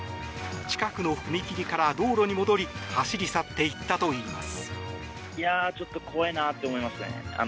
近くの踏切から道路に戻り走り去っていったといいます。